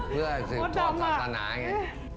เพื่อสินค้าสาธารณะไง